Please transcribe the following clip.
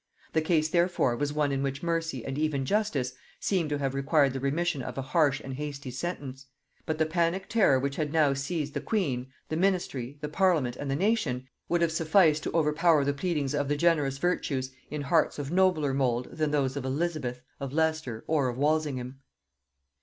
The case therefore was one in which mercy and even justice seem to have required the remission of a harsh and hasty sentence; but the panic terror which had now seized the queen, the ministry, the parliament, and the nation, would have sufficed to overpower the pleadings of the generous virtues in hearts of nobler mould than those of Elizabeth, of Leicester, or of Walsingham.